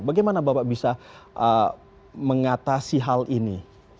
bagaimana bapak bisa mengatasi hal ini